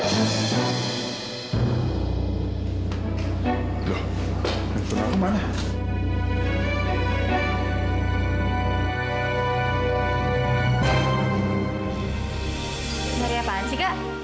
nyari apaan sih kak